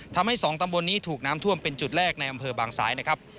ทำให้สองตำบลนี้ถูกน้ำท่วมเป็นจุดแรกในอำเภอบางซ้ายนะครับ